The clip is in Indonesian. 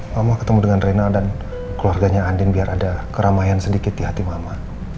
mama ketemu dengan renal dan keluarganya andin biar ada keramaian sedikit di hati mama